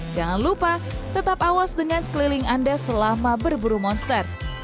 jangan lupa tetap awas dengan sekeliling anda selama berburu monster